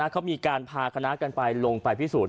เขามีการพาคณะกันไปลงไปพิสูจน